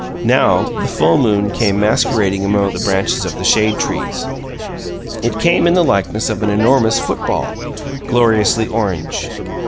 Now the full moon came masquerading among the branches of the shade trees; it came in the likeness of an enormous football, gloriously orange.